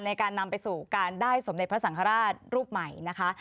ในการนำไปสู่การได้สมเด็จพระสังฆราชรูปใหม่นะคะ